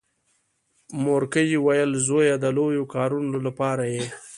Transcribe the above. مورکۍ ویل زويه د لويو کارونو لپاره یې.